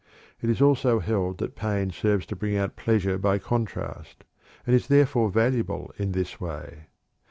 It is also held that pain serves to bring out pleasure by contrast, and is therefore valuable in this way.